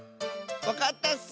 わかったッス！